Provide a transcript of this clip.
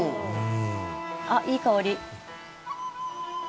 あっいい香り。